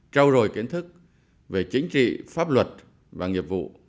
trao dồi kiến thức về chính trị pháp luật và nghiệp vụ